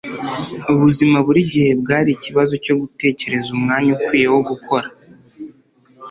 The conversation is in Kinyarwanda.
ubuzima buri gihe bwari ikibazo cyo gutegereza umwanya ukwiye wo gukora